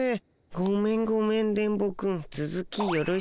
ごめんごめん電ボくんつづきよろしく。